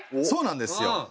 そうなんですよ。